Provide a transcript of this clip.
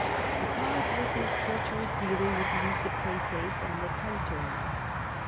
The cause was his treacherous dealing with the Usipetes and Tencteri.